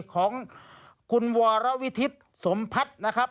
ของคุณวรวิทิศสมพัฒน์นะครับ